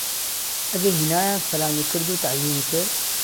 ئەگە هینایان سەلامی کرد و تەعزیمی کرد؟